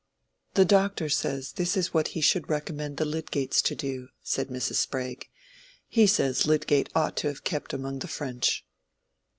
"The doctor says that is what he should recommend the Lydgates to do," said Mrs. Sprague. "He says Lydgate ought to have kept among the French."